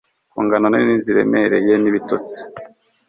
Ku ngano nini ziremereye nibitotsi